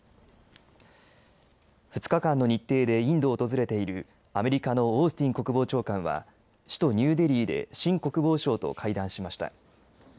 ２日間の日程でインドを訪れているアメリカのオースティン国防長官は首都ニューデリーでシン国防相と会談しました。